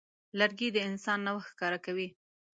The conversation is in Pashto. لرګی د انسان نوښت ښکاره کوي.